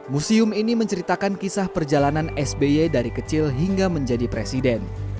museum ini menceritakan kisah perjalanan sby dari kecil hingga menjadi presiden